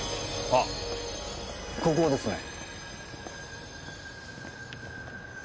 あっここですね。